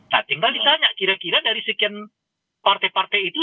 nah tinggal ditanya kira kira dari sekian partai partai itu